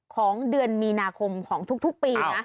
ของเดือนมีนาคมของทุกปีนะ